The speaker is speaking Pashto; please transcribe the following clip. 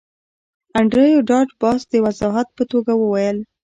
انډریو ډاټ باس د وضاحت په توګه وویل